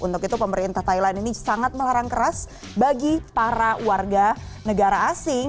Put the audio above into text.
untuk itu pemerintah thailand ini sangat melarang keras bagi para warga negara asing